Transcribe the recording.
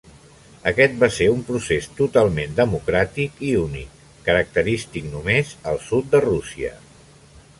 Aquest va ser un procés totalment democràtic i únic, característic només al sud de Rússia.